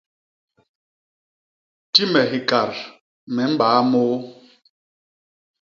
Ti me hikat me mbaaa môô.